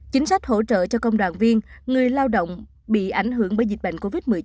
chính sách hỗ trợ cho công đoàn viên người lao động bị ảnh hưởng bởi dịch bệnh covid một mươi chín